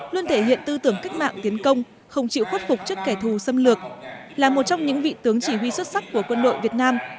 luôn thể hiện tư tưởng cách mạng tiến công không chịu khuất phục trước kẻ thù xâm lược là một trong những vị tướng chỉ huy xuất sắc của quân đội việt nam